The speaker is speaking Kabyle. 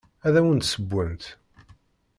Ad awen-d-ssewwent.